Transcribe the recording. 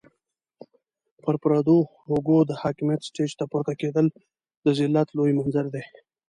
پر پردو اوږو د حاکميت سټېج ته پورته کېدل د ذلت لوی منظر دی.